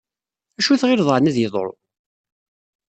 Acu i t-ɣileḍ aɛni ad yeḍṛu?